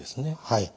はい。